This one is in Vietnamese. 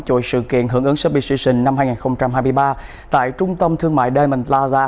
cho sự kiện hưởng ứng submission năm hai nghìn hai mươi ba tại trung tâm thương mại diamond plaza